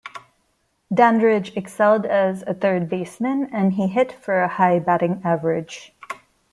Dandridge excelled as a third baseman and he hit for a high batting average.